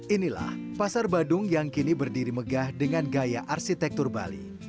inilah pasar badung yang kini berdiri megah dengan gaya arsitektur bali